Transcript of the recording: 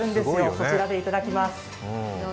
そちらでいただきます。